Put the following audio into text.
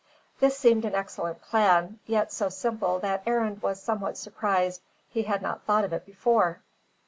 This seemed an excellent plan, yet so simple that Arend was somewhat surprised he had not thought of it before.